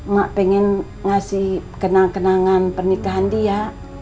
mak pengen ngasih kenang kenangan pernikahan dia